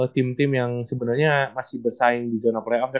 tim tim yang sebenernya masih bersaing di zone playoffnya